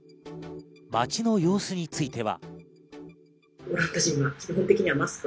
街の様子については。